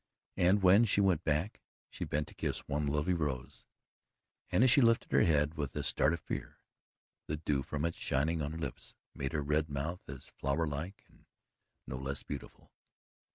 And when she went back, she bent to kiss one lovely rose and, as she lifted her head with a start of fear, the dew from it shining on her lips made her red mouth as flower like and no less beautiful.